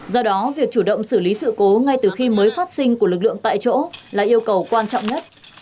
do đó việc chủ động xử lý sự cố ngay từ khi mới phát sinh của lực lượng tại chỗ là yêu cầu quan trọng nhất